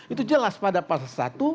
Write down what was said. itu jelas pada pasal satu